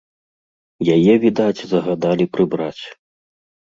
Яе, відаць, загадалі прыбраць.